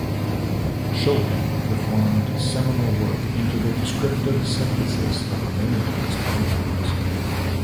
Shulgin performed seminal work into the descriptive synthesis of many of these compounds.